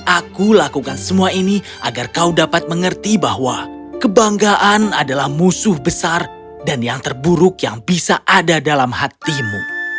aku lakukan semua ini agar kau dapat mengerti bahwa kebanggaan adalah musuh besar dan yang terburuk yang bisa ada dalam hatimu